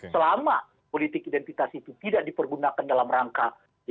selama politik identitas itu tidak dipergunakan dalam rangka